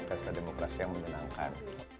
pesta demokrasi yang menenangkan